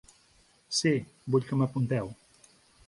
Sí, vull que m'apunteu.